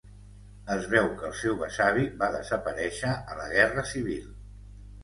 Es veu que el seu besavi va desaparèixer a la guerra civil.